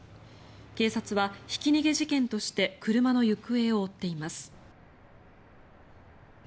警察はひき逃げ事件として車の行方を追っています。